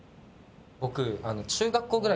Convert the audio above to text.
僕。